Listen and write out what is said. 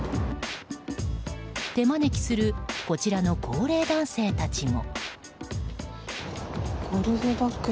手招きするこちらの高齢男性たちも。